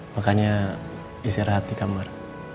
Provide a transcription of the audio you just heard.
makanya istirahat di kamar